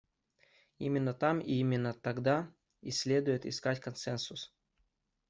Именно там и именно тогда и следует искать консенсус.